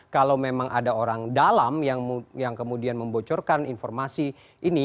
kalau memang ada orang dalam yang kemudian membocorkan informasi ini